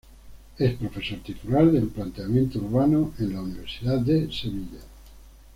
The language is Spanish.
Es profesor titular de Planteamiento Urbano en la Universidad de Sevilla.